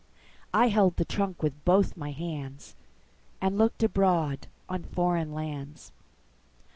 I held the trunk with both my handsAnd looked abroad on foreign lands.